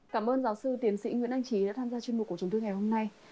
cảm ơn giáo sư tiến sĩ nguyễn anh trí đã tham gia chuyên mục của chúng tôi ngày hôm nay